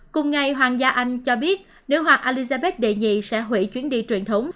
cùng ngày hoàng gia anh cho biết nữ hoạt elizabeth ii sẽ hủy chuyến đi truyền thống